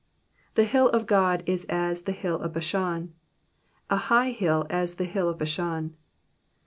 The hill of God is as the hill of Bashan ; an high hill as the hill of Bashan.